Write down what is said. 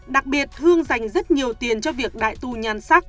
đặc biệt hương dành rất nhiều tiền cho việc đại tu nhàn sắc